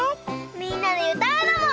みんなでうたうのも。